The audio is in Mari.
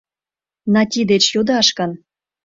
Нати деч йодаш гын?